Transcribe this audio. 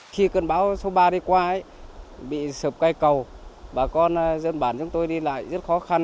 khi cơn bão số ba đi qua bị sập cây cầu bà con dân bản chúng tôi đi lại rất khó khăn